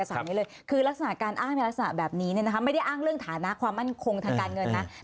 แล้วในเรื่องรถสนัดการอ้างในรถสนัดแบบนี้เนี่ยนะไม่ได้อ้างเเรื่องฐานะความมั่นคงทางการเงินนะ